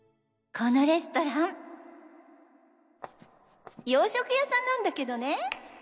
このレストラン洋食屋さんなんだけどね。